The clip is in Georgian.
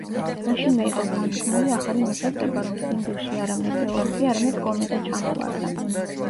მაშინვე იყო გამოთქმული ახალი მოსაზრება, რომ ციმბირში არა მეტეორიტი არამედ კომეტა ჩამოვარდა.